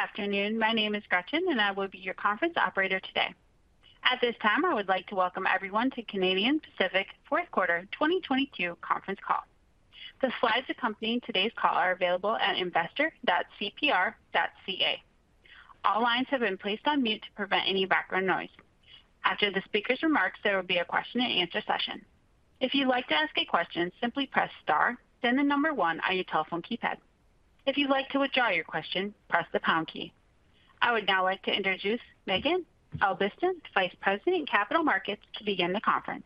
Good afternoon. My name is Gretchen, and I will be your conference operator today. At this time, I would like to welcome everyone to Canadian Pacific Q4 2022 Conference Call. The slides accompanying today's call are available at investor.cpr.ca. All lines have been placed on mute to prevent any background noise. After the speaker's remarks, there will be a question and answer session. If you'd like to ask a question, simply press star, then the number one on your telephone keypad. If you'd like to withdraw your question, press the pound key. I would now like to introduce Megan Albiston, Vice President, Capital Markets, to begin the conference.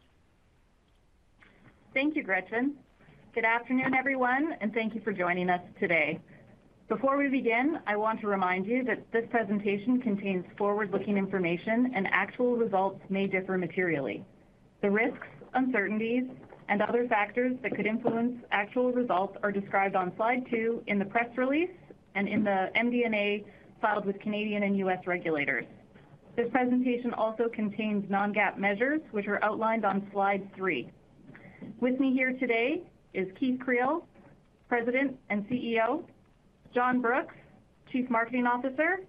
Thank you, Gretchen. Good afternoon, everyone. Thank you for joining us today. Before we begin, I want to remind you that this presentation contains forward-looking information and actual results may differ materially. The risks, uncertainties and other factors that could influence actual results are described on slide two in the press release and in the MD&A filed with Canadian and U.S. regulators. This presentation also contains non-GAAP measures, which are outlined on slide three. With me here today is Keith Creel, President and CEO, John Brooks, Chief Marketing Officer.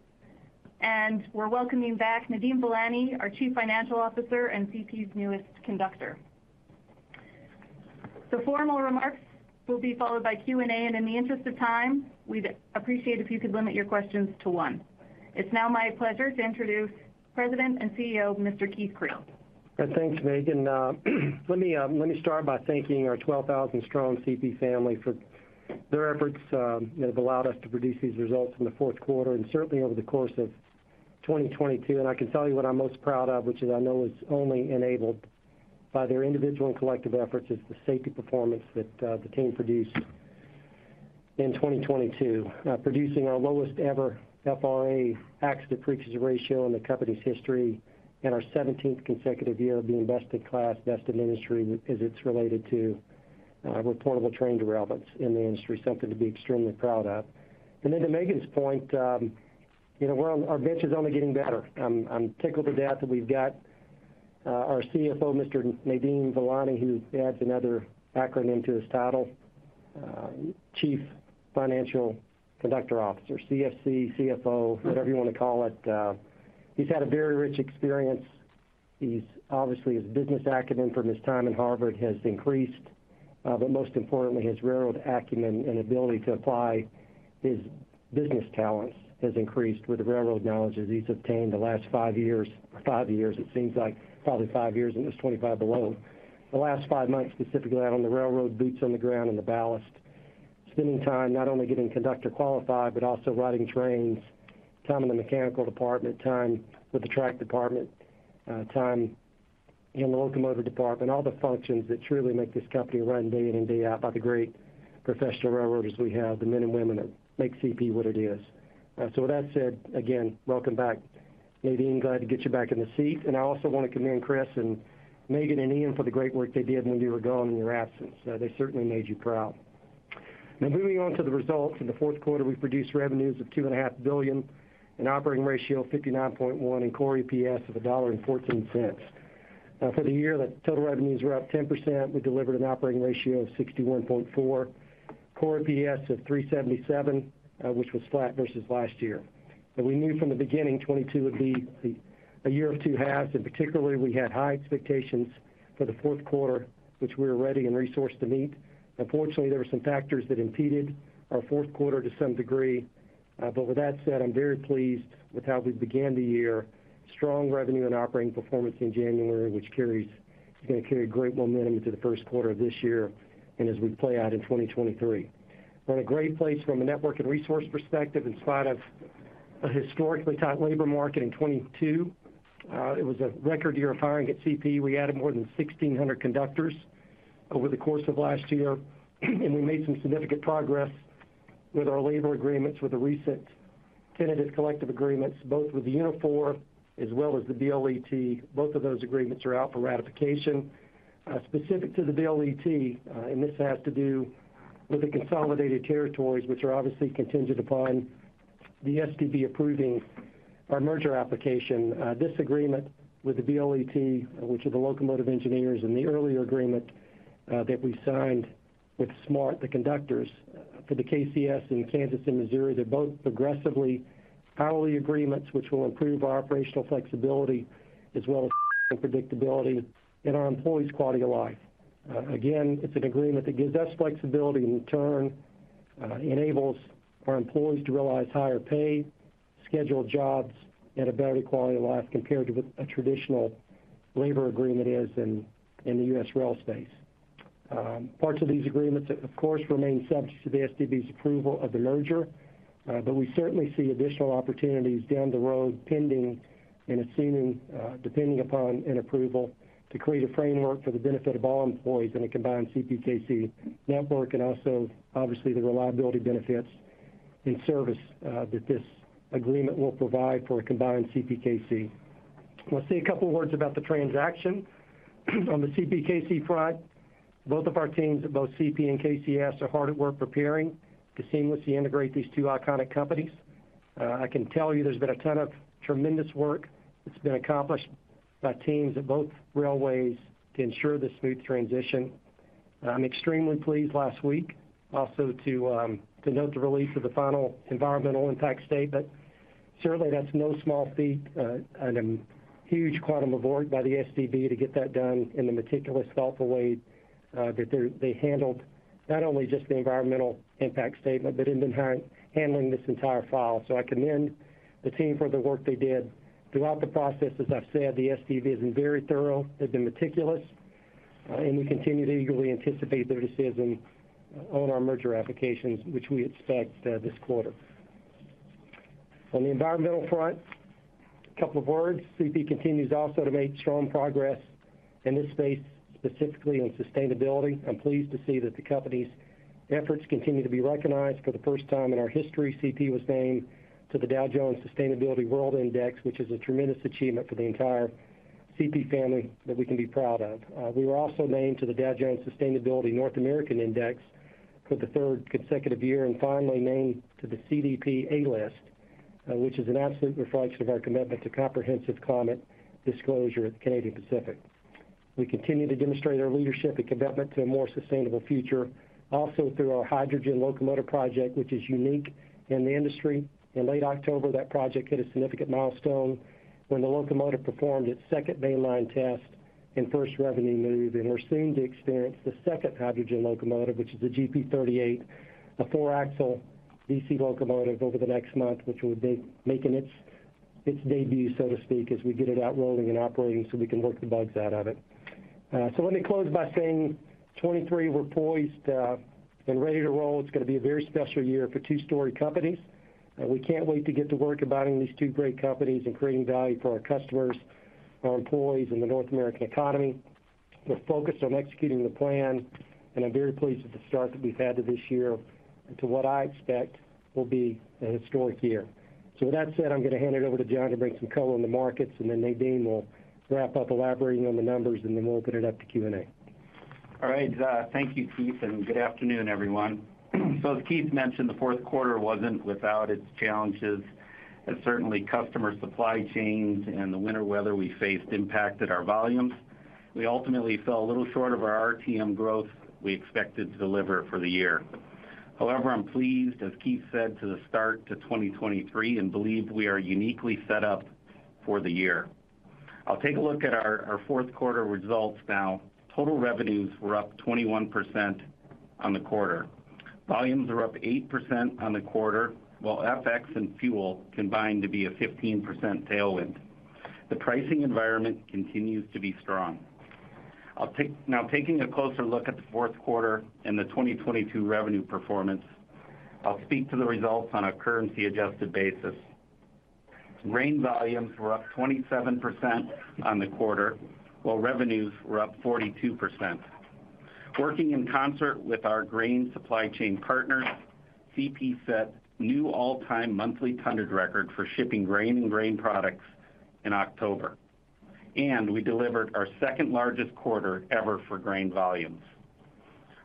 We're welcoming back Nadeem Velani, our Chief Financial Officer and CP's newest conductor. The formal remarks will be followed by Q&A. In the interest of time, we'd appreciate if you could limit your questions to one. It's now my pleasure to introduce President and CEO, Mr. Keith Creel. Thanks, Megan. Let me start by thanking our 12,000 strong CP family for their efforts that have allowed us to produce these results in the Q4 and certainly over the course of 2022. I can tell you what I'm most proud of, which is I know is only enabled by their individual and collective efforts, is the safety performance that the team produced in 2022, producing our lowest ever FRA accident frequency ratio in the company's history and our 17th consecutive year of being best in class, best in industry as it's related to reportable train derailments in the industry. Something to be extremely proud of. Then to Megan's point, you know, our bench is only getting better. I'm tickled to death that we've got our CFO, Mr. Nadeem Velani, who adds another acronym to his title, Chief Financial Conductor Officer, CFC, CFO, whatever you wanna call it. He's had a very rich experience. He's obviously, his business acumen from his time in Harvard has increased, but most importantly, his railroad acumen and ability to apply his business talents has increased with the railroad knowledge that he's obtained the last five years. Five years, it seems like probably five years, and it's 25 below. The last five months, specifically out on the railroad, boots on the ground and the ballast, spending time not only getting conductor qualified, but also riding trains, time in the mechanical department, time with the track department, time in the locomotive department, all the functions that truly make this company run day in and day out by the great professional railroaders we have, the men and women that make CP what it is. So with that said, again, welcome back, Nadeem. Glad to get you back in the seat. I also want to commend Chris and Megan and Ian for the great work they did when you were gone in your absence. They certainly made you proud. Moving on to the results. In the Q4, we produced revenues of 2.5 billion, an operating ratio of 59.1 and core EPS of 1.14 dollar. For the year, the total revenues were up 10%. We delivered an operating ratio of 61.4, core EPS of 3.77, which was flat versus last year. We knew from the beginning, 2022 would be a year of two halves, and particularly we had high expectations for the Q4, which we were ready and resourced to meet. Unfortunately, there were some factors that impeded our Q4 to some degree. With that said, I'm very pleased with how we began the year. Strong revenue and operating performance in January, which is gonna carry great momentum into the Q1 of this year and as we play out in 2023. We're in a great place from a network and resource perspective in spite of a historically tight labor market in 2022. It was a record year of hiring at CP. We added more than 1,600 conductors over the course of last year, and we made some significant progress with our labor agreements with the recent tentative collective agreements, both with the Unifor as well as the BLET. Both of those agreements are out for ratification. Specific to the BLET, and this has to do with the consolidated territories, which are obviously contingent upon the STB approving our merger application. This agreement with the BLET, which are the locomotive engineers, and the earlier agreement that we signed with SMART, the conductors for the KCS in Kansas and Missouri. They're both progressively hourly agreements, which will improve our operational flexibility as well as predictability in our employees' quality of life. Again, it's an agreement that gives us flexibility and in turn, enables our employees to realize higher pay, scheduled jobs, and a better quality of life compared to what a traditional labor agreement is in the U.S. rail space. Parts of these agreements, of course, remain subject to the STB's approval of the merger, but we certainly see additional opportunities down the road pending and assuming, depending upon an approval to create a framework for the benefit of all employees in a combined CPKC network and also, obviously, the reliability benefits in service that this agreement will provide for a combined CPKC. I wanna say a couple words about the transaction on the CPKC front. Both of our teams, both CP and KCS, are hard at work preparing to seamlessly integrate these two iconic companies. I can tell you there's been a ton of tremendous work that's been accomplished by teams at both railways to ensure the smooth transition. I'm extremely pleased last week also to note the release of the final environmental impact statement. Certainly, that's no small feat, and a huge quantum of work by the STB to get that done in the meticulous, thoughtful way that they handled, not only just the environmental impact statement, but in handling this entire file. I commend the team for the work they did throughout the process. As I've said, the STB has been very thorough. They've been meticulous, and we continue to eagerly anticipate their decision on our merger applications, which we expect this quarter. On the environmental front, couple of words. CP continues also to make strong progress in this space, specifically on sustainability. I'm pleased to see that the company's efforts continue to be recognized. For the first time in our history, CP was named to the Dow Jones Sustainability World Index, which is a tremendous achievement for the entire CP family that we can be proud of. We were also named to the Dow Jones Sustainability North American Index for the third consecutive year, and finally named to the CDP A List, which is an absolute reflection of our commitment to comprehensive climate disclosure at Canadian Pacific. We continue to demonstrate our leadership and commitment to a more sustainable future also through our hydrogen locomotive project, which is unique in the industry. In late October, that project hit a significant milestone when the locomotive performed its second mainline test and first revenue move, and we're soon to experience the second hydrogen locomotive, which is a GP38, a four-axle DC locomotive over the next month, which will be making its debut, so to speak, as we get it out rolling and operating so we can work the bugs out of it. Let me close by saying, 2023, we're poised and ready to roll. It's gonna be a very special year for two story companies. We can't wait to get to work combining these two great companies and creating value for our customers, our employees in the North American economy. We're focused on executing the plan. I'm very pleased with the start that we've had to this year and to what I expect will be a historic year. With that said, I'm gonna hand it over to John to bring some color on the markets, and then Nadeem will wrap up elaborating on the numbers, and then we'll open it up to Q&A. All right. Thank you, Keith, good afternoon, everyone. As Keith mentioned, the Q4 wasn't without its challenges, certainly customer supply chains and the winter weather we faced impacted our volumes. We ultimately fell a little short of our RTM growth we expected to deliver for the year. However, I'm pleased, as Keith said, to the start to 2023, believe we are uniquely set up for the year. I'll take a look at our Q4 results now. Total revenues were up 21% on the quarter. Volumes are up 8% on the quarter, while FX and fuel combined to be a 15% tailwind. The pricing environment continues to be strong. Taking a closer look at the Q4 and the 2022 revenue performance, I'll speak to the results on a currency adjusted basis. Grain volumes were up 27% on the quarter, while revenues were up 42%. Working in concert with our grain supply chain partners, CP set new all-time monthly tonnage record for shipping grain and grain products in October. We delivered our second-largest quarter ever for grain volumes.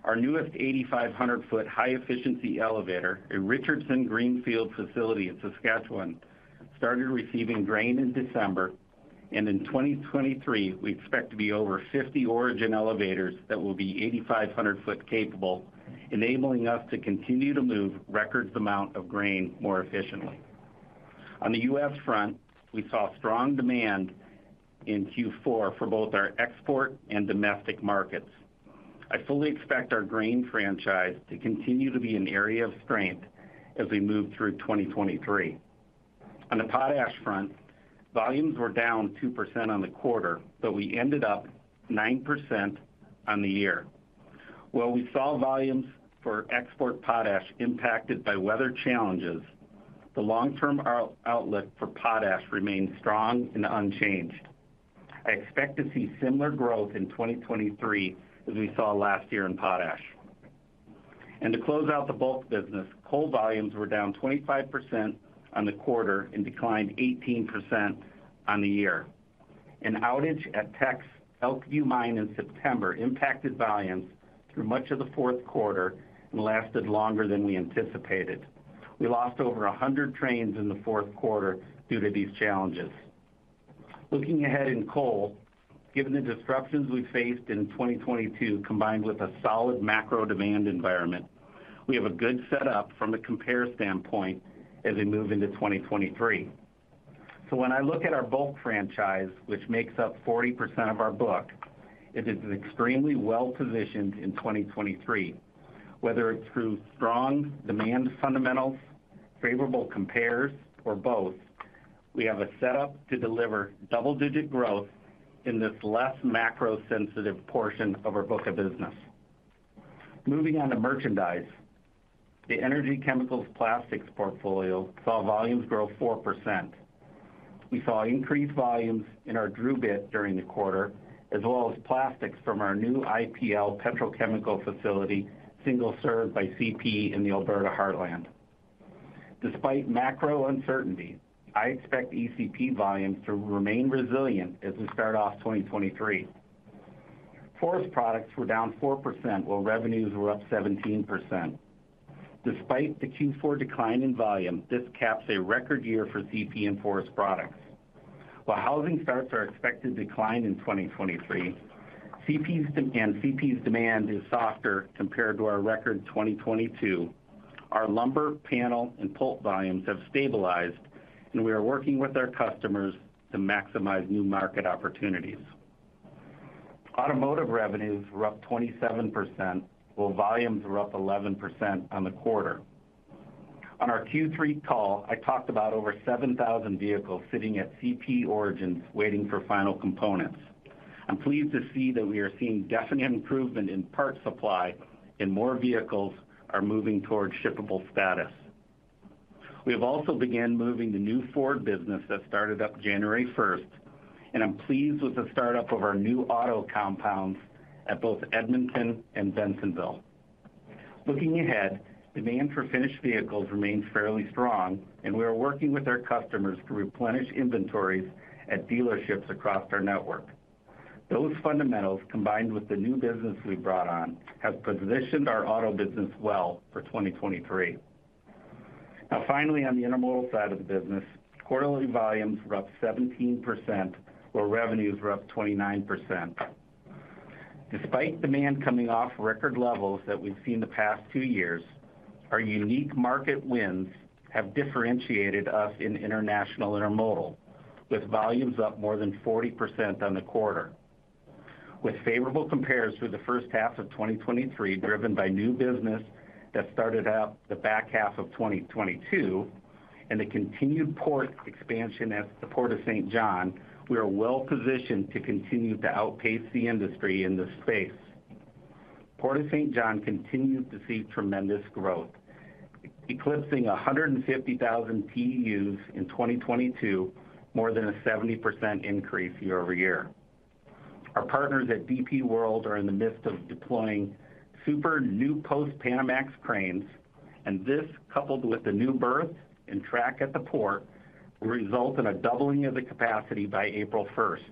Our newest 8,500 foot high efficiency elevator at Richardson Greenfield facility in Saskatchewan started receiving grain in December. In 2023, we expect to be over 50 origin elevators that will be 8,500 foot capable, enabling us to continue to move records amount of grain more efficiently. On the U.S. front, we saw strong demand in Q4 for both our export and domestic markets. I fully expect our grain franchise to continue to be an area of strength as we move through 2023. On the potash front, volumes were down 2% on the quarter, but we ended up 9% on the year. While we saw volumes for export potash impacted by weather challenges, the long term outlook for potash remains strong and unchanged. I expect to see similar growth in 2023 as we saw last year in potash. To close out the bulk business, coal volumes were down 25% on the quarter and declined 18% on the year. An outage at Teck Elkview Mine in September impacted volumes through much of the Q4 and lasted longer than we anticipated. We lost over 100 trains in the fourth Q4 due to these challenges. Looking ahead in coal, given the disruptions we faced in 2022, combined with a solid macro demand environment, we have a good setup from a compare standpoint as we move into 2023. When I look at our bulk franchise, which makes up 40% of our book, it is extremely well positioned in 2023. Whether it's through strong demand fundamentals, favorable compares or both, we have a setup to deliver double-digit growth in this less macro sensitive portion of our book of business. Moving on to merchandise. The energy chemicals plastics portfolio saw volumes grow 4%. We saw increased volumes in our DRUbit during the quarter, as well as plastics from our new IPL petrochemical facility, single served by CP in the Alberta Heartland. Despite macro uncertainty, I expect ECP volumes to remain resilient as we start off 2023. Forest Products were down 4%, while revenues were up 17%. Despite the Q4 decline in volume, this caps a record year for CP and Forest Products. While housing starts are expected to decline in 2023, and CP's demand is softer compared to our record 2022, our lumber, panel, and pulp volumes have stabilized, and we are working with our customers to maximize new market opportunities. Automotive revenues were up 27%, while volumes were up 11% on the quarter. On our Q3 call, I talked about over 7,000 vehicles sitting at CP origins waiting for final components. I'm pleased to see that we are seeing definite improvement in parts supply and more vehicles are moving towards shippable status. We have also began moving the new Ford business that started up January first. I'm pleased with the startup of our new auto compounds at both Edmonton and Bensenville. Looking ahead, demand for finished vehicles remains fairly strong. We are working with our customers to replenish inventories at dealerships across our network. Those fundamentals, combined with the new business we brought on, have positioned our auto business well for 2023. Finally, on the intermodal side of the business, quarterly volumes were up 17% while revenues were up 29%. Despite demand coming off record levels that we've seen the past two years, our unique market wins have differentiated us in international intermodal with volumes up more than 40% on the quarter. With favorable compares through the first half of 2023, driven by new business that started out the back half of 2022 and the continued port expansion at the Port of Saint John, we are well positioned to continue to outpace the industry in this space. Port of Saint John continues to see tremendous growth, eclipsing 150,000 TEUs in 2022, more than a 70% increase year-over-year. Our partners at DP World are in the midst of deploying super new post-Panamax cranes, and this, coupled with the new berth and track at the port, will result in a doubling of the capacity by April 1st.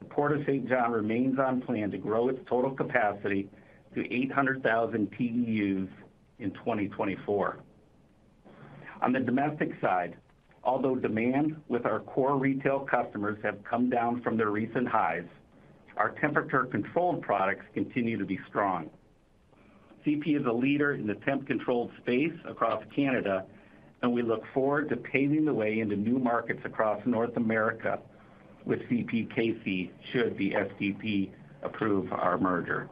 The Port of Saint John remains on plan to grow its total capacity to 800,000 TEUs in 2024. On the domestic side, although demand with our core retail customers have come down from their recent highs, our temperature-controlled products continue to be strong. CP is a leader in the temp-controlled space across Canada, and we look forward to paving the way into new markets across North America with CPKC should the STB approve our merger.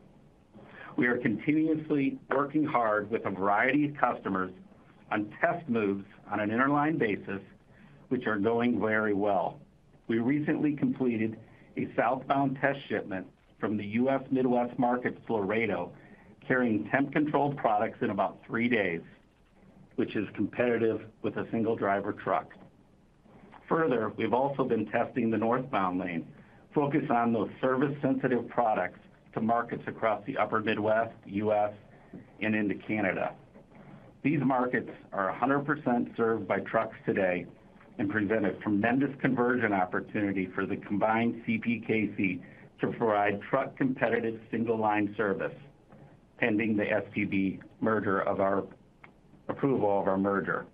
We are continuously working hard with a variety of customers on test moves on an interline basis, which are going very well. We recently completed a southbound test shipment from the U.S. Midwest market to Laredo, carrying temp-controlled products in about three days, which is competitive with a single driver truck. Further, we've also been testing the northbound lane, focused on those service sensitive products to markets across the upper Midwest, U.S., and into Canada. These markets are 100% served by trucks today and present a tremendous conversion opportunity for the combined CPKC to provide truck competitive single line service pending the STB approval of our merger.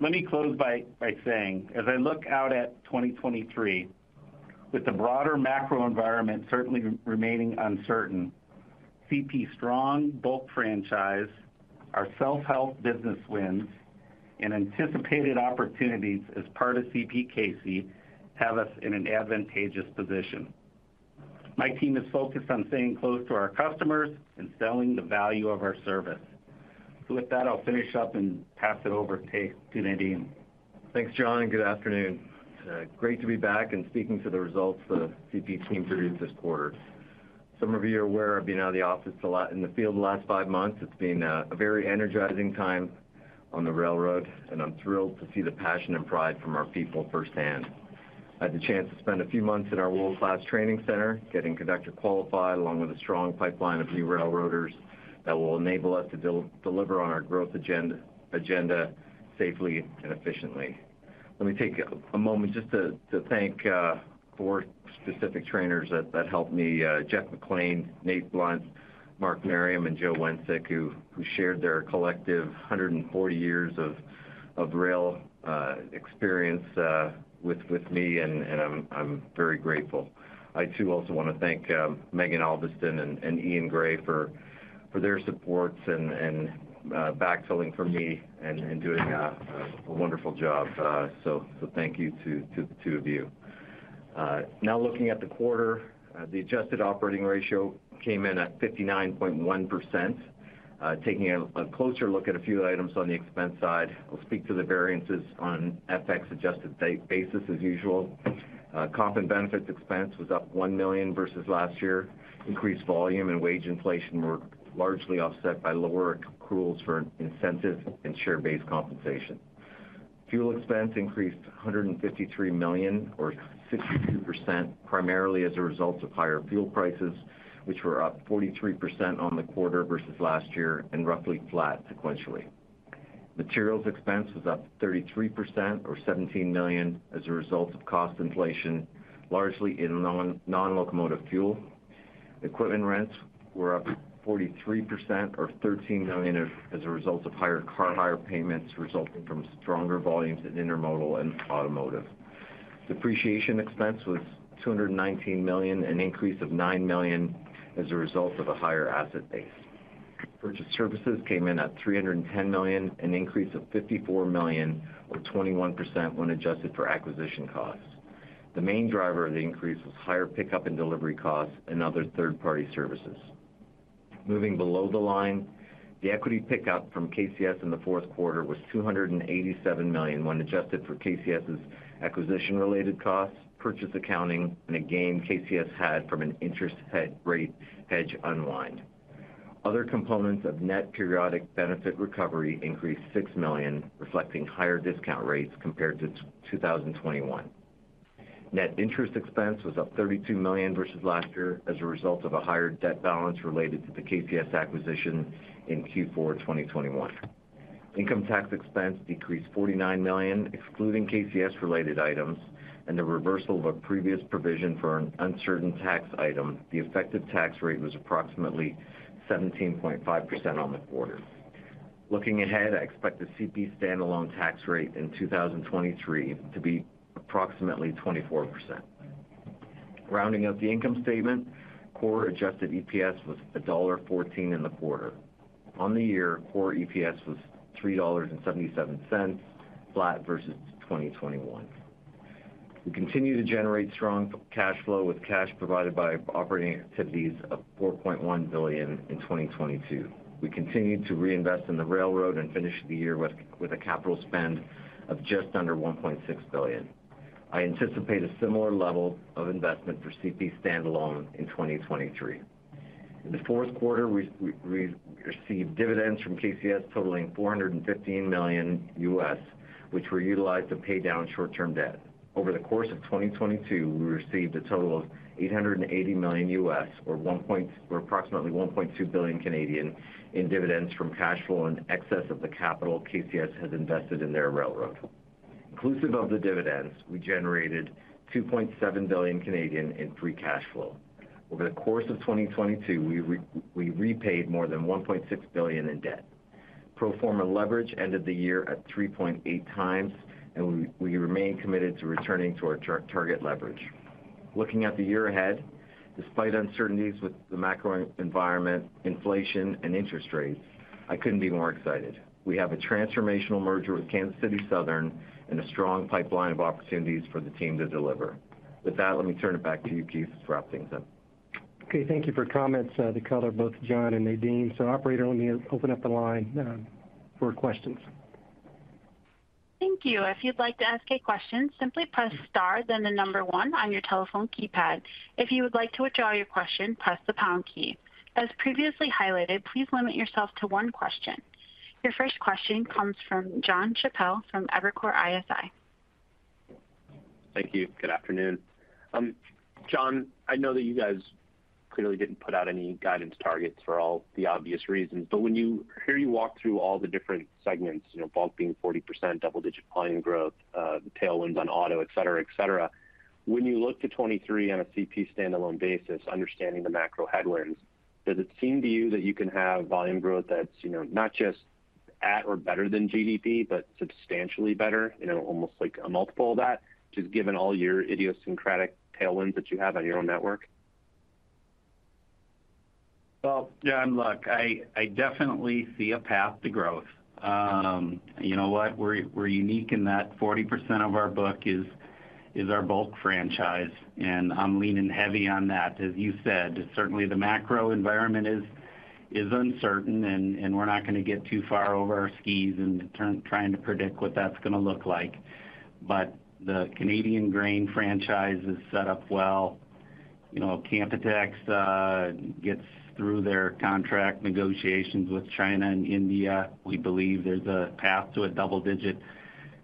Let me close by saying, as I look out at 2023, with the broader macro environment certainly remaining uncertain, CP strong bulk franchise, our self-help business wins, and anticipated opportunities as part of CPKC have us in an advantageous position. My team is focused on staying close to our customers and selling the value of our service. With that, I'll finish up and pass it over to Nadeem. Thanks, John, and good afternoon. It's great to be back and speaking to the results the CP team produced this quarter. Some of you are aware I've been out of the office a lot in the field the last five months. It's been a very energizing time on the railroad, and I'm thrilled to see the passion and pride from our people firsthand. I had the chance to spend a few months in our world-class training center getting conductor qualified, along with a strong pipeline of new railroaders that will enable us to deliver on our growth agenda safely and efficiently. Let me take a moment just to thank four specific trainers that helped me, Jeff McLean, Nate Blunt, Mark Merriam, and Joe Wenzik, who shared their collective 140 years of rail experience with me, and I'm very grateful. I too also want to thank Megan Albiston and Ian Gray for their supports and backfilling for me and doing a wonderful job. Thank you to the two of you. Now looking at the quarter, the adjusted operating ratio came in at 59.1%. Taking a closer look at a few items on the expense side, I'll speak to the variances on FX-adjusted basis as usual. Comp and benefits expense was up 1 million versus last year. Increased volume and wage inflation were largely offset by lower accruals for incentive and share-based compensation. Fuel expense increased 153 million or 62%, primarily as a result of higher fuel prices, which were up 43% on the quarter versus last year and roughly flat sequentially. Materials expense was up 33% or 17 million as a result of cost inflation, largely in non-locomotive fuel. Equipment rents were up 43% or 13 million as a result of higher car hire payments resulting from stronger volumes in intermodal and automotive. Depreciation expense was 219 million, an increase of 9 million as a result of a higher asset base. Purchased services came in at 310 million, an increase of 54 million or 21% when adjusted for acquisition costs. The main driver of the increase was higher pickup and delivery costs and other third-party services. Moving below the line, the equity pickup from KCS in the Q4 was $287 million when adjusted for KCS's acquisition-related costs, purchase accounting and a gain KCS had from an interest rate hedge unwind. Other components of net periodic benefit recovery increased $6 million, reflecting higher discount rates compared to 2021. Net interest expense was up $32 million versus last year as a result of a higher debt balance related to the KCS acquisition in Q4 2021. Income tax expense decreased $49 million excluding KCS related items and the reversal of a previous provision for an uncertain tax item. The effective tax rate was approximately 17.5% on the quarter. Looking ahead, I expect the CP standalone tax rate in 2023 to be approximately 24%. Rounding out the income statement, core adjusted EPS was $1.14 in the quarter. On the year, core EPS was $3.77, flat versus 2021. We continue to generate strong cash flow with cash provided by operating activities of $4.1 billion in 2022. We continued to reinvest in the railroad and finished the year with a capital spend of just under $1.6 billion. I anticipate a similar level of investment for CP standalone in 2023. In the fourth Q4, we received dividends from KCS totaling $415 million US, which were utilized to pay down short-term debt. Over the course of 2022, we received a total of $880 million, or approximately 1.2 billion in dividends from cash flow in excess of the capital KCS has invested in their railroad. Inclusive of the dividends, we generated 2.7 billion in free cash flow. Over the course of 2022, we repaid more than 1.6 billion in debt. Pro forma leverage ended the year at 3.8x, we remain committed to returning to our target leverage. Looking at the year ahead, despite uncertainties with the macro environment, inflation and interest rates, I couldn't be more excited. We have a transformational merger with Kansas City Southern and a strong pipeline of opportunities for the team to deliver. With that, let me turn it back to you, Keith, for wrap things up. Okay, thank you for comments, the color both John and Nadeem. operator, let me open up the line, for questions. Thank you. If you'd like to ask a question, simply press star then one on your telephone keypad. If you would like to withdraw your question, press the pound key. As previously highlighted, please limit yourself to one question. Your first question comes from Jon Chappell from Evercore ISI. Thank you. Good afternoon. John, I know that you guys clearly didn't put out any guidance targets for all the obvious reasons, but when you hear you walk through all the different segments, you know, bulk being 40%, double digit volume growth, tailwinds on auto, et cetera, et cetera. When you look to 2023 on a CP standalone basis, understanding the macro headwinds, does it seem to you that you can have volume growth that's, you know, not just at or better than GDP, but substantially better, you know, almost like a multiple of that, just given all your idiosyncratic tailwinds that you have on your own network? John, look, I definitely see a path to growth. You know what? We're unique in that 40% of our book is our bulk franchise, and I'm leaning heavy on that. As you said, certainly the macro environment is uncertain and we're not gonna get too far over our skis in trying to predict what that's gonna look like. The Canadian grain franchise is set up well. You know, Canpotex gets through their contract negotiations with China and India. We believe there's a path to a double-digit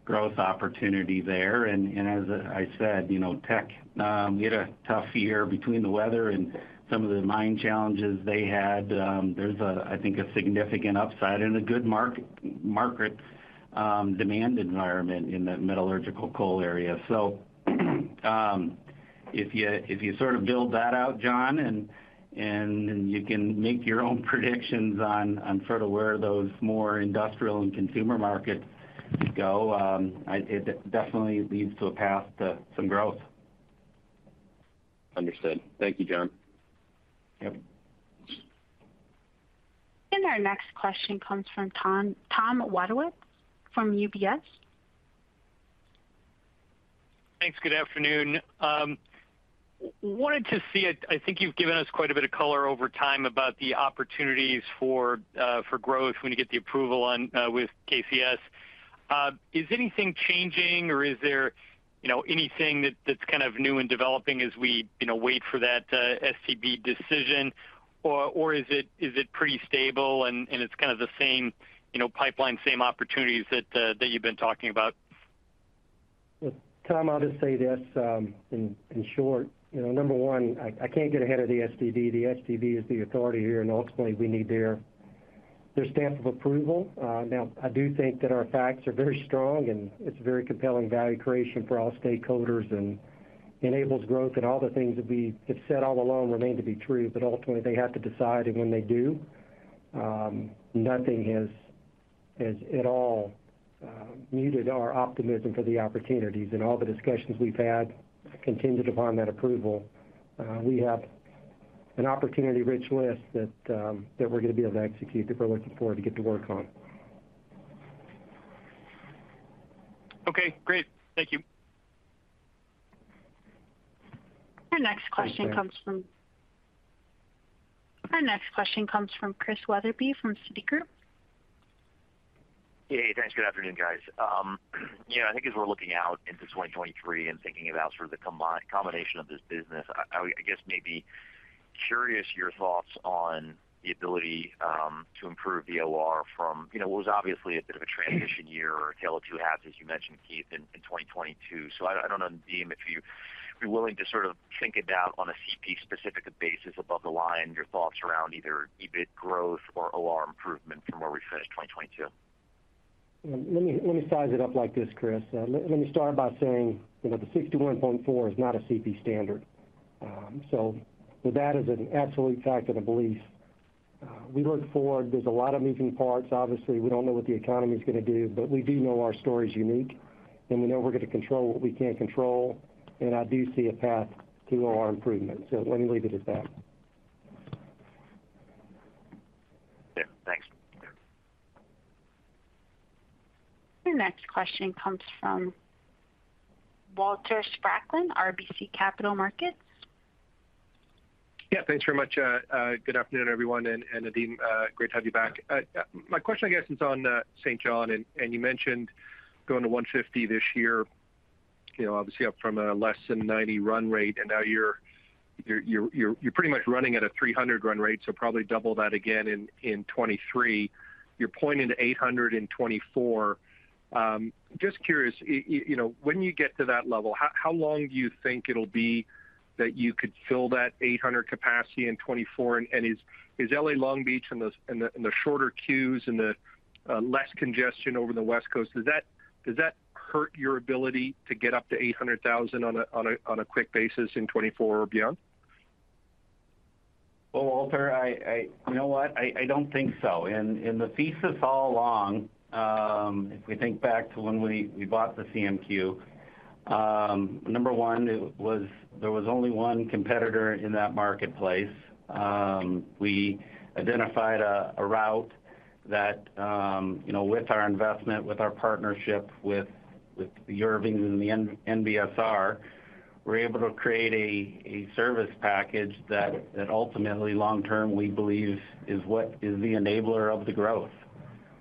growth opportunity there. As I said, you know, Teck, we had a tough year between the weather and some of the mine challenges they had. There's a, I think, a significant upside and a good mark-market demand environment in the metallurgical coal area. If you sort of build that out, Jon Chappell, and then you can make your own predictions on sort of where those more industrial and consumer markets go, it definitely leads to a path to some growth. Understood. Thank you, John. Yep. Our next question comes from Tom Wadewitz from UBS. Thanks. Good afternoon. wanted to see, I think you've given us quite a bit of color over time about the opportunities for growth when you get the approval on with KCS. Is anything changing or is there, you know, anything that's kind of new and developing as we, you know, wait for that STB decision? Or is it pretty stable and it's kind of the same, you know, pipeline, same opportunities that you've been talking about? Tom, I'll just say this, in short. You know, number one, I can't get ahead of the STB. The STB is the authority here, and ultimately we need their Their stamp of approval. Now I do think that our facts are very strong and it's very compelling value creation for all stakeholders and enables growth and all the things that we have said all along remain to be true. Ultimately they have to decide. When they do, nothing has at all muted our optimism for the opportunities. In all the discussions we've had contingent upon that approval, we have an opportunity-rich list that we're gonna be able to execute, that we're looking forward to get to work on. Okay, great. Thank you. Our next question comes from. Thanks, Ben. Our next question comes from Chris Wetherbee from Citigroup. Yeah. Thanks. Good afternoon, guys. you know, I think as we're looking out into 2023 and thinking about sort of the combination of this business, I would, I guess, maybe curious your thoughts on the ability to improve the OR from, you know, what was obviously a bit of a transition year or a tale of two halves, as you mentioned, Keith, in 2022. I don't know, Nadeem, if you'd be willing to sort of sink it down on a CP-specific basis above the line, your thoughts around either EBIT growth or OR improvement from where we finished 2022? Let me size it up like this, Chris. Let me start by saying, you know, the 61.4 is not a CP standard. That is an absolute fact of the belief. We look forward. There's a lot of moving parts. Obviously, we don't know what the economy is gonna do, but we do know our story's unique, and we know we're gonna control what we can't control, and I do see a path to OR improvement. Let me leave it at that. Yeah. Thanks. Your next question comes from Walter Spracklin, RBC Capital Markets. Yeah. Thanks very much. Good afternoon, everyone, and Nadeem, great to have you back. My question, I guess, is on St. John, and you mentioned going to 150 this year, you know, obviously up from a less than 90 run rate, and now you're pretty much running at a 300 run rate, so probably double that again in 2023. You're pointing to 800 in 2024. Just curious, you know, when you get to that level, how long do you think it'll be that you could fill that 800 capacity in 2024? Is L.A. Long Beach and the shorter queues and the less congestion over the West Coast, does that hurt your ability to get up to 800,000 on a quick basis in 2024 or beyond? Well, Walter, you know what? I don't think so. The thesis all along, if we think back to when we bought the CMQ, number one, there was only one competitor in that marketplace. We identified a route that, you know, with our investment, with our partnership with Irving and the NBSR, we're able to create a service package that ultimately long term, we believe is what is the enabler of the growth.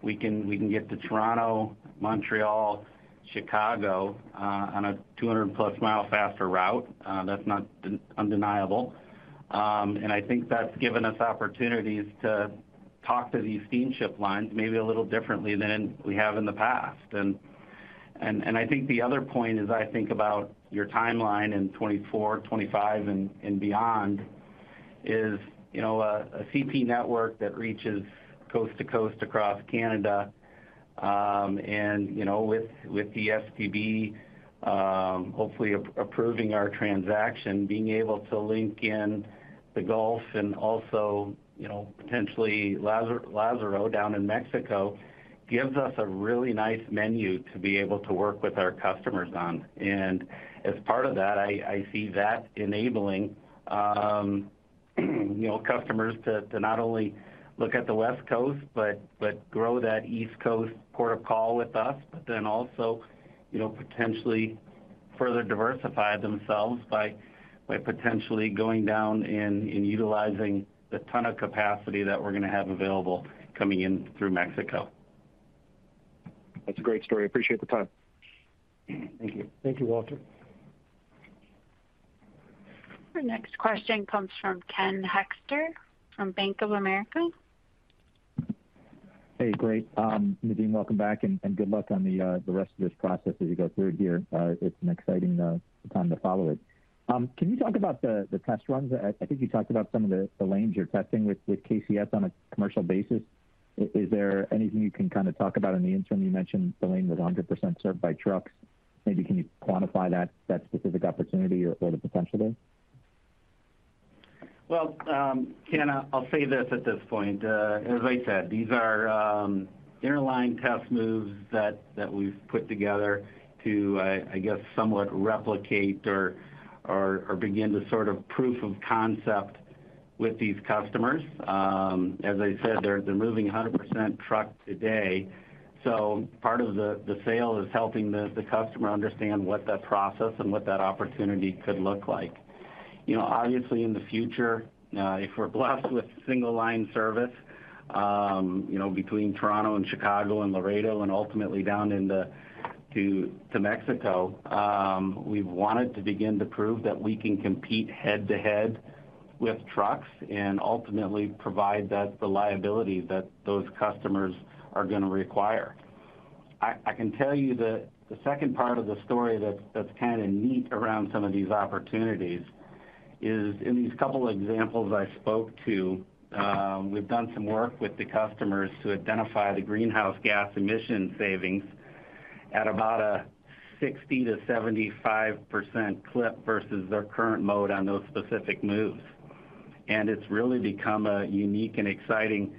We can get to Toronto, Montreal, Chicago, on a 200 plus mile faster route. That's not undeniable. I think that's given us opportunities to talk to these steamship lines maybe a little differently than we have in the past. I think the other point as I think about your timeline in 2024, 2025 and beyond is, you know, a CP network that reaches coast to coast across Canada, and, you know, with the STB hopefully approving our transaction, being able to link in the Gulf and also, you know, potentially Lázaro down in Mexico gives us a really nice menu to be able to work with our customers on. As part of that, I see that enabling, you know, customers to not only look at the West Coast, but grow that East Coast port of call with us, but then also, you know, potentially further diversify themselves by potentially going down and utilizing the ton of capacity that we're gonna have available coming in through Mexico. That's a great story. Appreciate the time. Thank you. Thank you, Walter. Our next question comes from Ken Hoexter from Bank of America. Hey, great. Nadeem, welcome back, and good luck on the rest of this process as you go through here. It's an exciting time to follow it. Can you talk about the test runs? I think you talked about some of the lanes you're testing with KCS on a commercial basis. Is there anything you can kind of talk about in the interim? You mentioned the lane that's a 100% served by trucks. Maybe can you quantify that specific opportunity or the potential there? Ken, I'll say this at this point. As I said, these are interline test moves that we've put together to, I guess, somewhat replicate or begin to sort of proof of concept with these customers. As I said, they're moving 100% truck today. Part of the sale is helping the customer understand what that process and what that opportunity could look like. You know, obviously in the future, if we're blessed with single line service, you know, between Toronto and Chicago and Laredo and ultimately down into Mexico, we've wanted to begin to prove that we can compete head to head with trucks and ultimately provide that reliability that those customers are gonna require. I can tell you that the second part of the story that's kind of neat around some of these opportunities is in these couple examples I spoke to, we've done some work with the customers to identify the greenhouse gas emission savings at about a 60%-75% clip versus their current mode on those specific moves. It's really become a unique and exciting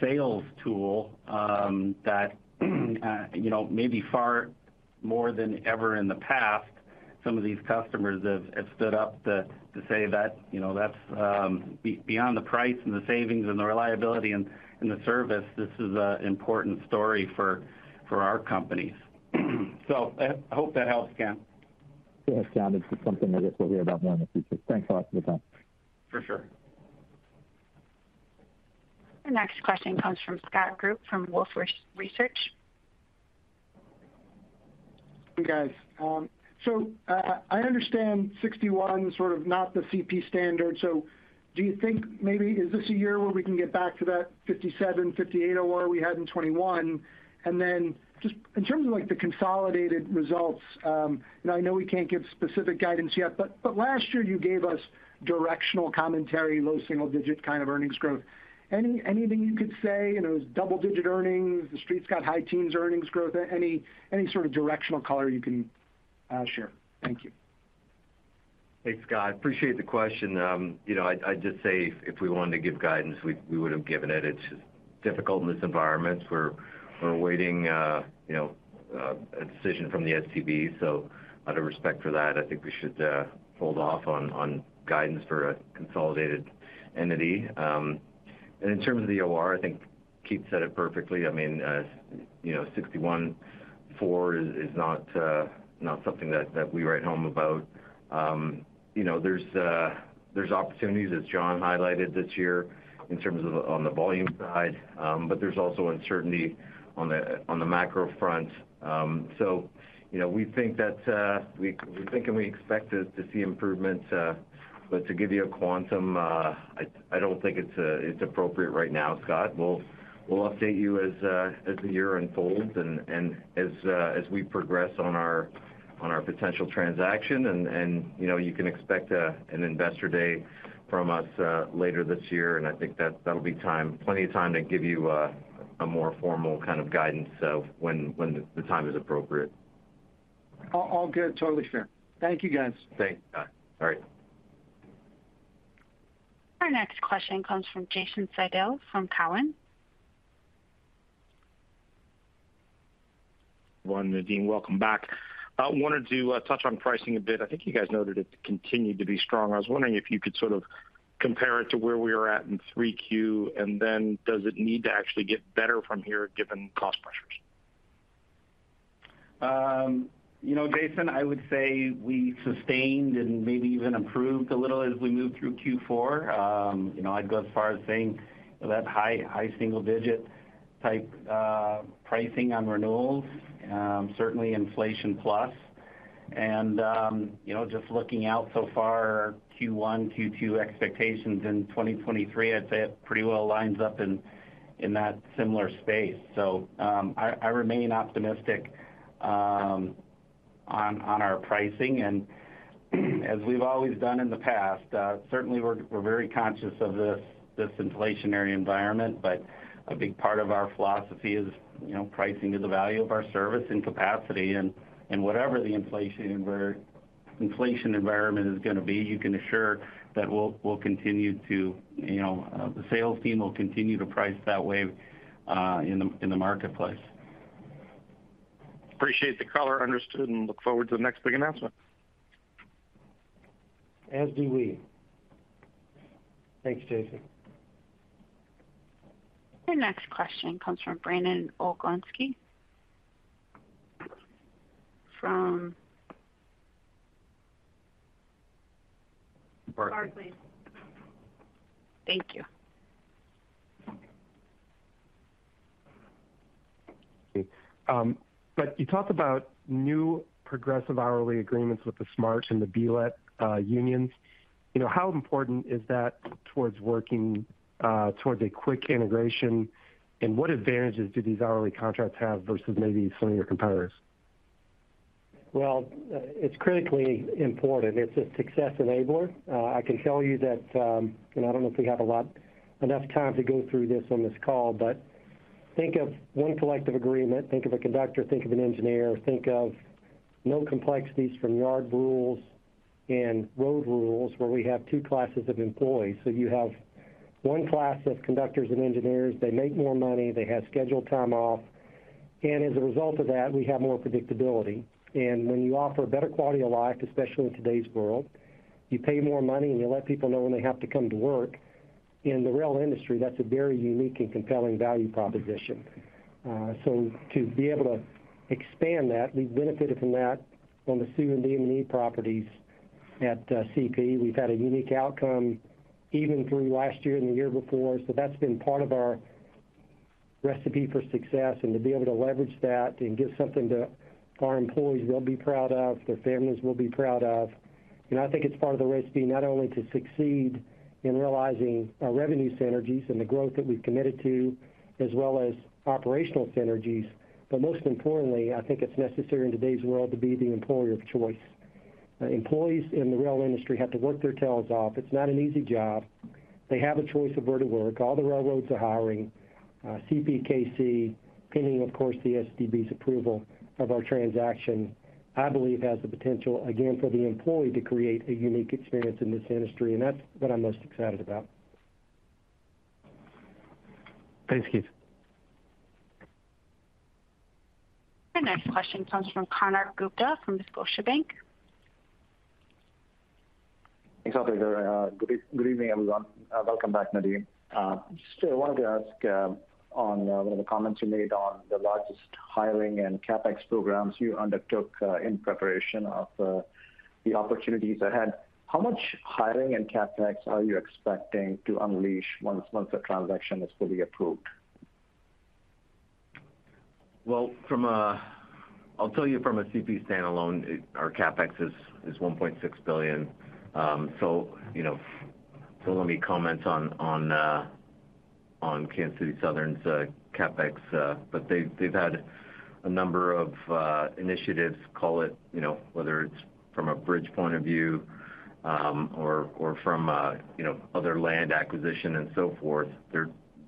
sales tool that, you know, maybe far more than ever in the past, some of these customers have stood up to say that, you know, that's beyond the price and the savings and the reliability and the service, this is an important story for our companies. I hope that helps, Ken. It has, John. It's just something I guess we'll hear about more in the future. Thanks a lot for the time. For sure. The next question comes from Scott Group from Wolfe Research. Hey, guys. I understand 61's sort of not the CP standard, do you think maybe is this a year where we can get back to that 57, 58 OR we had in 2021? Just in terms of like the consolidated results, and I know we can't give specific guidance yet, but last year you gave us directional commentary, low single-digit kind of earnings growth. Anything you could say? You know, is double-digit earnings, the street's got high-teens earnings growth. Any sort of directional color you can share? Thank you. Hey, Scott. Appreciate the question. you know, I'd just say if we wanted to give guidance, we would've given it. It's difficult in this environment. We're awaiting, you know, a decision from the STB, so out of respect for that, I think we should hold off on guidance for a consolidated entity. In terms of the OR, I think Keith said it perfectly. I mean, you know, 61.4 is not something that we write home about. you know, there's opportunities, as John highlighted, this year in terms of on the volume side, but there's also uncertainty on the macro front. you know, we think that we think and we expect to see improvements. To give you a quantum, I don't think it's appropriate right now, Scott. We'll update you as the year unfolds and, as we progress on our, on our potential transaction and, you know, you can expect an investor day from us later this year, and I think that's, that'll be plenty of time to give you a more formal kind of guidance of when the time is appropriate. All good. Totally fair. Thank you, guys. Thanks, Scott. All right. Our next question comes from Jason Seidl from Cowen. One, Nadeem, welcome back. I wanted to touch on pricing a bit. I think you guys noted it continued to be strong. I was wondering if you could sort of compare it to where we were at in 3Q, and then does it need to actually get better from here given cost pressures? You know, Jason, I would say we sustained and maybe even improved a little as we moved through Q4. You know, I'd go as far as saying that high single-digit type pricing on renewals, certainly inflation plus. You know, just looking out so far, Q1, Q2 expectations in 2023, I'd say it pretty well lines up in that similar space. I remain optimistic on our pricing. As we've always done in the past, certainly we're very conscious of this inflationary environment, but a big part of our philosophy is, you know, pricing to the value of our service and capacity and whatever the inflation environment is gonna be, you can assure that we'll continue to, you know, the sales team will continue to price that way, in the marketplace. Appreciate the color. Understood, look forward to the next big announcement. As do we. Thanks, Jason. The next question comes from Brandon Oglenski from Barclays. Barclays. Barclays. Thank you. Okay. You talked about new progressive hourly agreements with the SMART and the BLET unions. You know, how important is that towards working towards a quick integration, and what advantages do these hourly contracts have versus maybe some of your competitors? Well, it's critically important. It's a success enabler. I can tell you that, I don't know if we have enough time to go through this on this call, but think of one collective agreement. Think of a conductor, think of an engineer. Think of no complexities from yard rules and road rules, where we have two classes of employees. You have one class of conductors and engineers, they make more money, they have scheduled time off. As a result of that, we have more predictability. When you offer a better quality of life, especially in today's world, you pay more money, and you let people know when they have to come to work. In the rail industry, that's a very unique and compelling value proposition. To be able to expand that, we've benefited from that on the C&D and E properties at CP. We've had a unique outcome even through last year and the year before. That's been part of our recipe for success, and to be able to leverage that and give something to our employees they'll be proud of, their families will be proud of. I think it's part of the recipe not only to succeed in realizing our revenue synergies and the growth that we've committed to, as well as operational synergies, but most importantly, I think it's necessary in today's world to be the employer of choice. Employees in the rail industry have to work their tails off. It's not an easy job. They have a choice of where to work. All the railroads are hiring. CPKC, pending, of course, the STB's approval of our transaction, I believe has the potential, again, for the employee to create a unique experience in this industry, and that's what I'm most excited about. Thanks, Keith. Our next question comes from Konark Gupta from Scotiabank. Thanks, operator. good evening, everyone. welcome back, Nadeem. just wanted to ask on one of the comments you made on the largest hiring and CapEx programs you undertook in preparation of the opportunities ahead. How much hiring and CapEx are you expecting to unleash once the transaction is fully approved? Well, I'll tell you from a CP standalone, our CapEx is $1.6 billion. You know, don't let me comment on Kansas City Southern's CapEx. They've had a number of initiatives, call it, you know, whether it's from a bridge point of view, or from, you know, other land acquisition and so forth.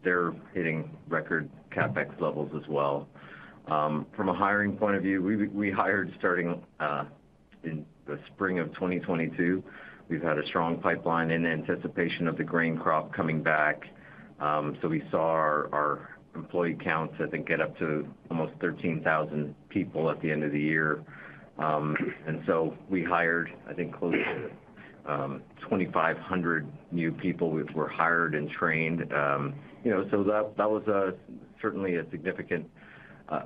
They're hitting record CapEx levels as well. From a hiring point of view, we hired starting in the spring of 2022. We've had a strong pipeline in anticipation of the grain crop coming back. We saw our employee counts, I think, get up to almost 13,000 people at the end of the year. We hired, I think close to 2,500 new people were hired and trained. You know, that was certainly a significant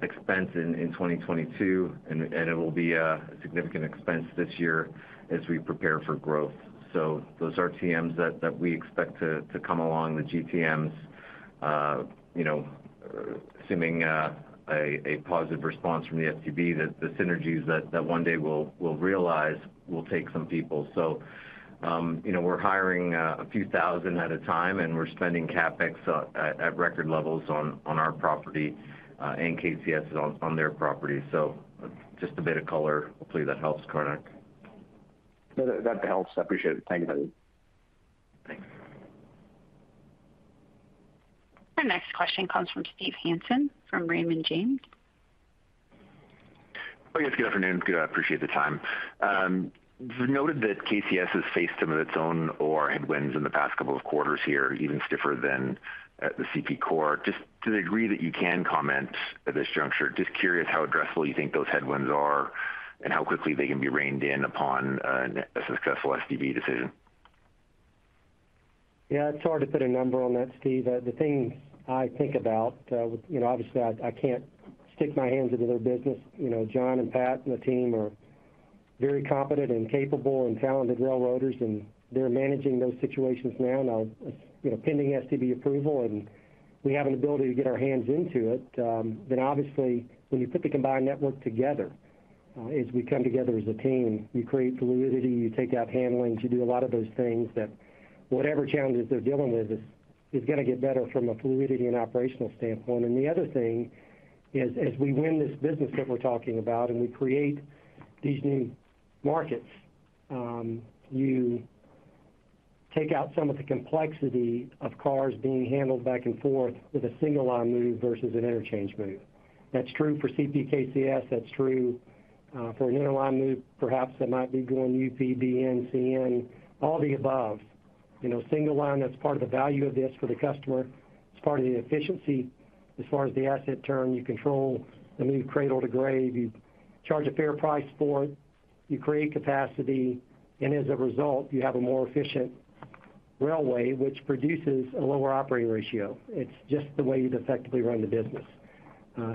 expense in 2022, and it will be a significant expense this year as we prepare for growth. Those RTMs that we expect to come along, the GTMs, you know, assuming a positive response from the STB, the synergies that one day we'll realize will take some people. You know, we're hiring a few thousand at a time, and we're spending CapEx at record levels on our property, and KCS on their property. Just a bit of color. Hopefully, that helps, Konark. No, that helps. I appreciate it. Thank you, Nadeem. Thanks. Our next question comes from Steve Hansen from Raymond James. Oh, yes. Good afternoon. Good. I appreciate the time. Noted that KCS has faced some of its own or headwinds in the past couple of quarters here, even stiffer than the CP core. Just to the degree that you can comment at this juncture, just curious how addressable you think those headwinds are and how quickly they can be reined in upon a successful STB decision? Yeah, it's hard to put a number on that, Steve. The things I think about, you know, obviously, I can't stick my hands into their business. You know, John and Pat and the team are very competent and capable and talented railroaders, and they're managing those situations now. Now, you know, pending STB approval and we have an ability to get our hands into it, obviously, when you put the combined network together, as we come together as a team, you create fluidity, you take out handling, you do a lot of those things that whatever challenges they're dealing with is gonna get better from a fluidity and operational standpoint. The other thing is, as we win this business that we're talking about and we create these new markets, you take out some of the complexity of cars being handled back and forth with a single line move versus an interchange move. That's true for CPKC. That's true for an interline move, perhaps that might be going UP, BN, CN all of the above. You know, single line, that's part of the value of this for the customer. It's part of the efficiency. As far as the asset turn, you control the move cradle to grave. You charge a fair price for it. You create capacity. As a result, you have a more efficient railway, which produces a lower operating ratio. It's just the way you'd effectively run the business.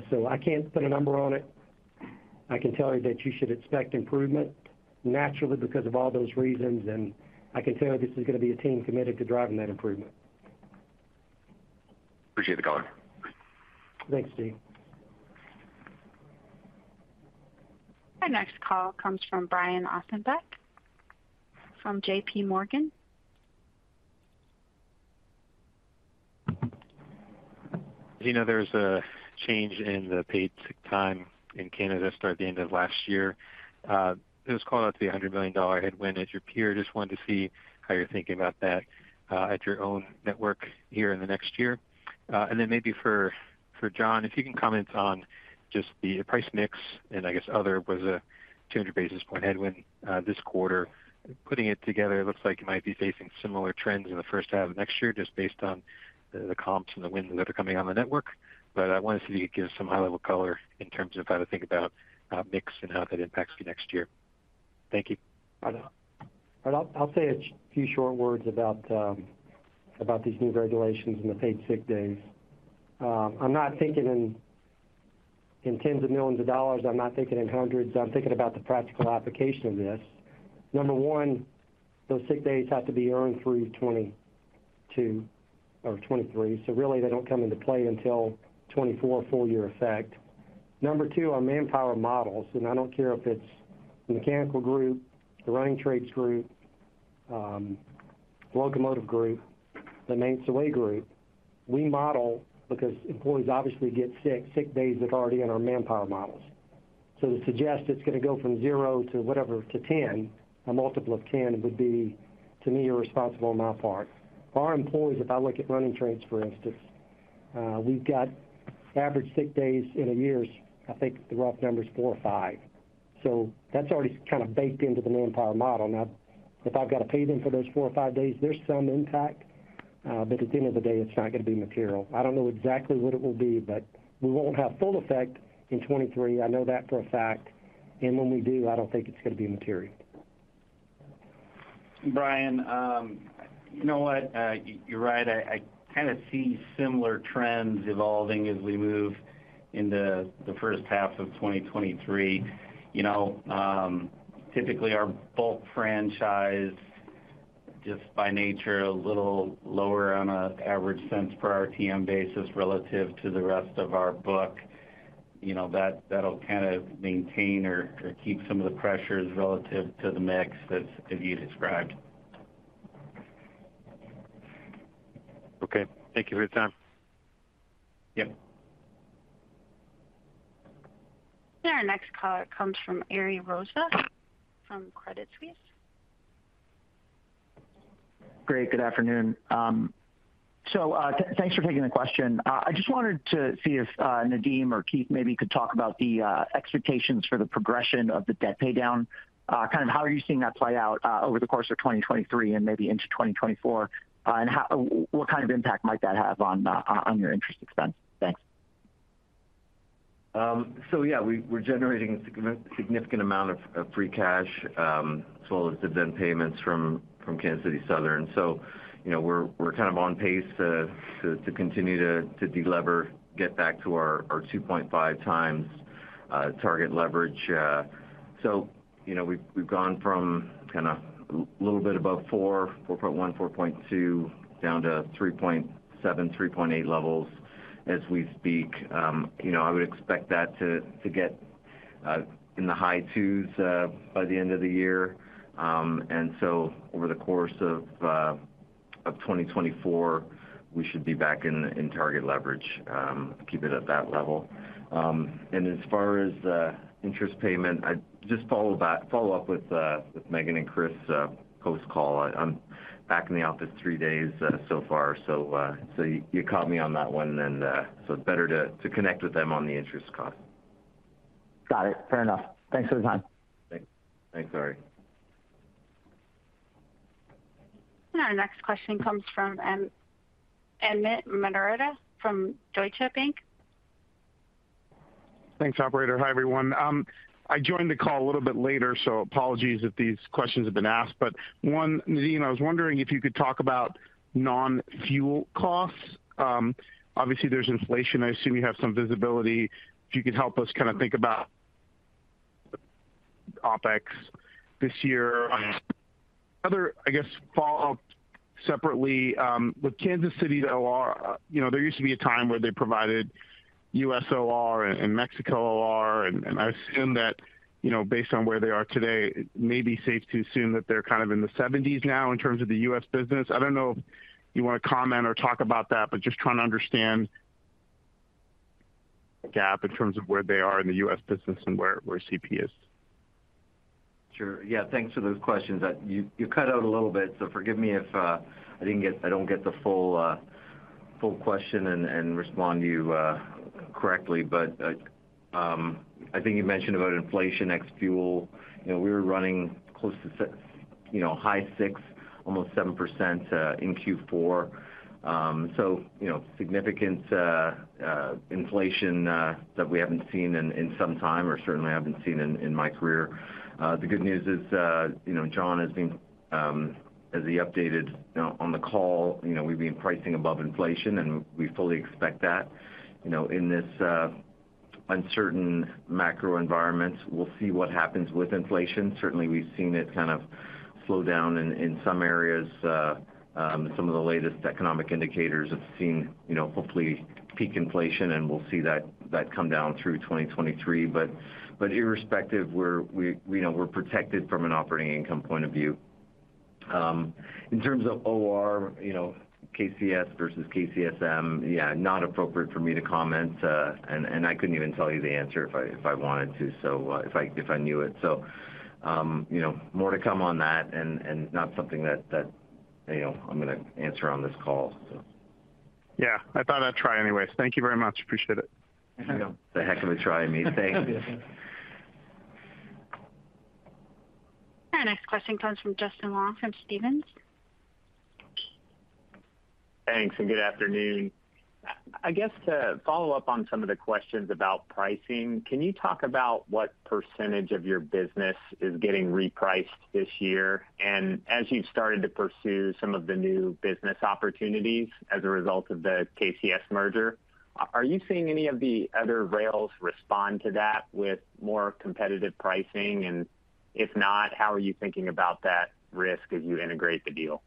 So I can't put a number on it. I can tell you that you should expect improvement naturally because of all those reasons. I can tell you this is gonna be a team committed to driving that improvement. Appreciate the color. Thanks, Steve. Our next call comes from Brian Ossenbeck from JP Morgan. You know, there's a change in the paid sick time in Canada starting the end of last year. It was called out to be a 100 million dollar headwind as your peer. Wanted to see how you're thinking about that at your own network here in the next year. Maybe for Jon Chappell, if you can comment on just the price mix, and I guess other was a 200 basis point headwind this quarter. Putting it together, it looks like you might be facing similar trends in the first half of next year just based on the comps and the winds that are coming on the network. I wanted to see if you could give some high-level color in terms of how to think about mix and how that impacts you next year. Thank you. I'll say a few short words about these new regulations and the paid sick days. I'm not thinking in tens of millions of dollars. I'm not thinking in hundreds. I'm thinking about the practical application of this. Number one, those sick days have to be earned through 2022 or 2023. Really they don't come into play until 2024 full year effect. Number two, our manpower models, I don't care if it's mechanical group, the running trades group, locomotive group, the main away group, we model because employees obviously get sick days that are already in our manpower models. To suggest it's gonna go from 0 to whatever to 10, a multiple of 10 would be, to me, irresponsible on my part. Our employees, if I look at running trades, for instance, we've got average sick days in a year is, I think, the rough number is four or five. That's already kind of baked into the manpower model. Now, if I've got to pay them for those four or five days, there's some impact, but at the end of the day, it's not gonna be material. I don't know exactly what it will be, but we won't have full effect in 2023. I know that for a fact. When we do, I don't think it's gonna be material. Brian, you know what? You're right. I kind of see similar trends evolving as we move into the first half of 2023. You know, typically our bulk franchise, just by nature, a little lower on an average cents per RTM basis relative to the rest of our book. You know, that'll kind of maintain or keep some of the pressures relative to the mix as you described. Okay. Thank you for your time. Yep. Our next caller comes from Ari Rosa from Credit Suisse. Great. Good afternoon. Thanks for taking the question. I just wanted to see if Nadeem Velani or Keith Creel maybe could talk about the expectations for the progression of the debt pay down. Kind of how are you seeing that play out over the course of 2023 and maybe into 2024? What kind of impact might that have on your interest expense? Thanks. Yeah, we're generating a significant amount of free cash, as well as the debt payments from Kansas City Southern. You know, we're kind of on pace to continue to delever, get back to our 2.5x target leverage. You know, we've gone from kind of little bit above 4.1x, 4.2x, down to 3.7x, 3.8x levels as we speak. You know, I would expect that to get in the high two's by the end of the year. Over the course of 2024, we should be back in target leverage, keep it at that level. As far as interest payment, just follow up with Megan and Chris post-call. I'm back in the office three days so far, so you caught me on that one and so it's better to connect with them on the interest cost. Got it. Fair enough. Thanks for the time. Thanks. Thanks, Ari. Our next question comes from Amit Mehrotra from Deutsche Bank. Thanks, operator. Hi, everyone. I joined the call a little bit later, so apologies if these questions have been asked. One, Nadeem, I was wondering if you could talk about non-fuel costs. Obviously, there's inflation. I assume you have some visibility. If you could help us kind of think about the OpEx this year. Other, I guess, follow-up separately, with Kansas City's OR, you know, there used to be a time where they provided U.S. OR and Mexico OR, and I assume that, you know, based on where they are today, it may be safe to assume that they're kind of in the 70s% now in terms of the U.S. business. I don't know if you want to comment or talk about that, but just trying to understand the gap in terms of where they are in the U.S. business and where CP is. Sure. Yeah, thanks for those questions. You, you cut out a little bit, so forgive me if I don't get the full question and respond to you correctly. I think you mentioned about inflation ex fuel. You know, we were running close to high six, almost 7% in Q4. You know, significant inflation that we haven't seen in some time or certainly I haven't seen in my career. The good news is, you know, John has been, as he updated on the call, you know, we've been pricing above inflation, and we fully expect that. You know, in this uncertain macro environment, we'll see what happens with inflation. Certainly, we've seen it kind of slow down in some areas. Some of the latest economic indicators have seen, you know, hopefully peak inflation, and we'll see that come down through 2023. Irrespective, we know we're protected from an operating income point of view. In terms of OR, you know, KCS versus KCSM, yeah, not appropriate for me to comment. I couldn't even tell you the answer if I wanted to, if I knew it. You know, more to come on that and not something that, you know, I'm gonna answer on this call. Yeah. I thought I'd try anyways. Thank you very much. Appreciate it. Yeah. A heck of a try, Amit. Thanks. Our next question comes from Justin Long from Stephens. Thanks, and good afternoon. I guess to follow up on some of the questions about pricing, can you talk about what % of your business is getting repriced this year? As you've started to pursue some of the new business opportunities as a result of the KCS merger, are you seeing any of the other rails respond to that with more competitive pricing? If not, how are you thinking about that risk as you integrate the deal?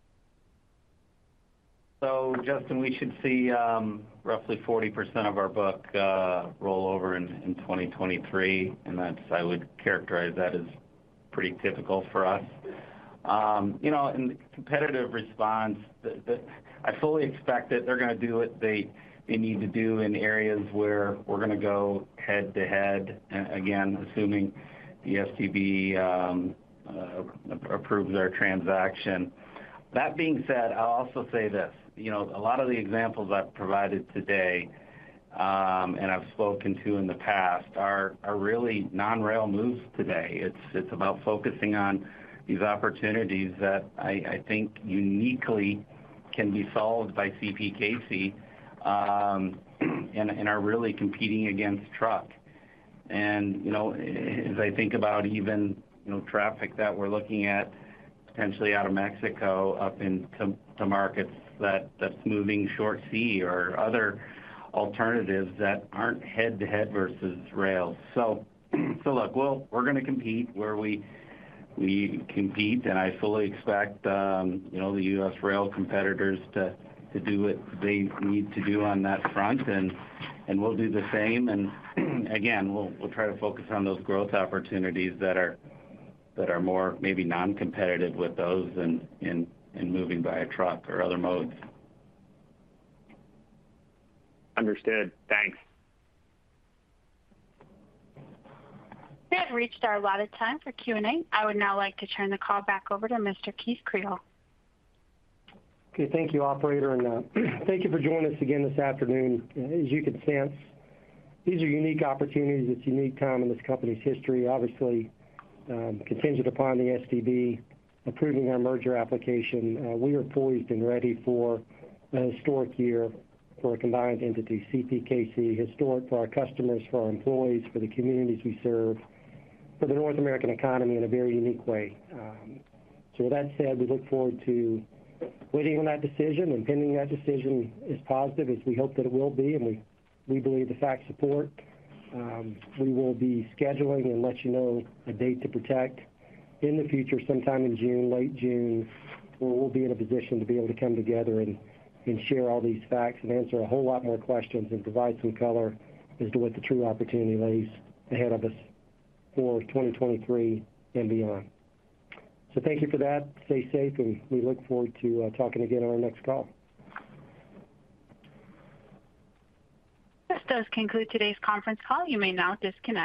Justin, we should see, roughly 40% of our book, roll over in 2023, and that's I would characterize that as pretty typical for us. You know, in the competitive response, the I fully expect that they're gonna do what they need to do in areas where we're gonna go head-to-head, again, assuming the STB approves our transaction. That being said, I'll also say this, you know, a lot of the examples I've provided today, and I've spoken to in the past are really non-rail moves today. It's about focusing on these opportunities that I think uniquely can be solved by CPKC, and are really competing against truck. You know, as I think about even, you know, traffic that we're looking at potentially out of Mexico up into markets that's moving short sea or other alternatives that aren't head-to-head versus rail. Look, we're gonna compete where we compete, and I fully expect, you know, the U.S. rail competitors to do what they need to do on that front and we'll do the same. Again, we'll try to focus on those growth opportunities that are more maybe non-competitive with those than in moving via truck or other modes. Understood. Thanks. We have reached our allotted time for Q&A. I would now like to turn the call back over to Mr. Keith Creel. Okay, thank you, operator. Thank you for joining us again this afternoon. As you can sense, these are unique opportunities. It's a unique time in this company's history. Obviously, contingent upon the STB approving our merger application. We are poised and ready for a historic year for a combined entity, CPKC. Historic for our customers, for our employees, for the communities we serve, for the North American economy in a very unique way. With that said, we look forward to waiting on that decision, and pending that decision is positive as we hope that it will be, and we believe the facts support. We will be scheduling and let you know a date to protect in the future, sometime in June, late June, where we'll be in a position to be able to come together and share all these facts and answer a whole lot more questions and provide some color as to what the true opportunity lays ahead of us for 2023 and beyond. Thank you for that. Stay safe and we look forward to talking again on our next call. This does conclude today's conference call. You may now disconnect.